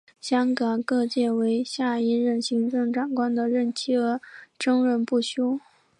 香港各界为下一任行政长官的任期而争论不休。